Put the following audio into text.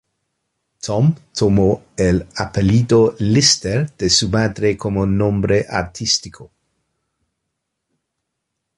Tom tomó el apellido "Lister" de su madre como nombre artístico.